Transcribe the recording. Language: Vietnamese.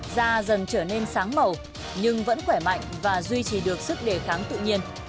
da dần trở nên sáng màu nhưng vẫn khỏe mạnh và duy trì được sức đề kháng tự nhiên